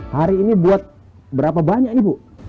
hari ini buat berapa banyak nih bu